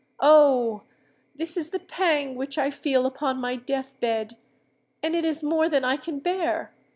Oh! this is the pang which I feel upon my death bed; and it is more than I can bear.